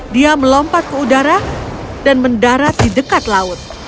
dia melompat ke udara dan mendarat di dekat laut